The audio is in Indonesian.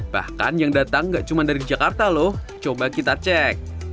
bahkan yang datang nggak cuma dari jakarta loh coba kita cek